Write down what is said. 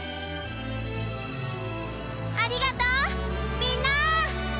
ありがとうみんな！